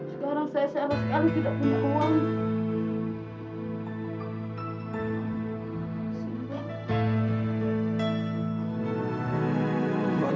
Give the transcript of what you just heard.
sekarang saya secara sekarang tidak punya uang